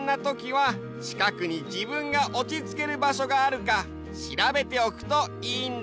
はちかくに自分がおちつける場所があるかしらべておくといいんだよ。